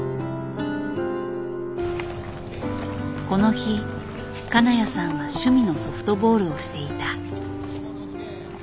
この日金谷さんは趣味のソフトボールをしていた。